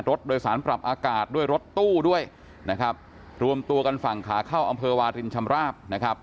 รถโดยสารปรับอากาศด้วยรถตู้ด้วยนะครับรวมตัวกันฝั่งขาเข้าอำเภอวารินชำราบนะครับ